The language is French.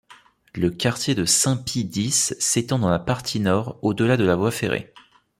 Le quartier de Saint-Pie-X s'étend dans la partie nord au-delà de la voie ferrée.